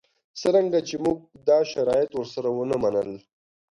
څرنګه چې موږ دا شرایط ورسره ونه منل.